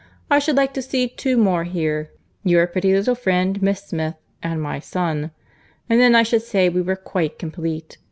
I should like to see two more here,—your pretty little friend, Miss Smith, and my son—and then I should say we were quite complete.